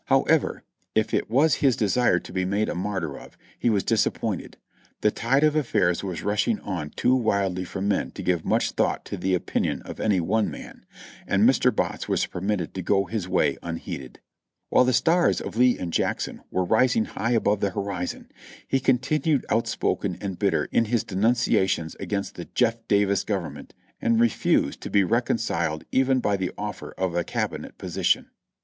However, if it was his desire to be made a martyr of. he was disappointed; the tide of afifairs was rushing on too wildly for men to give much thought to the opinion of any one man, and Mr. Botts was permitted to go his way unheeded. While the stars of Lee and Jackson were rising high above the horizon, he continued outspoken and bitter in his denunciations against the "J^^ Davis Government," and refused to be concil iated even by the offer of a Cabinet position.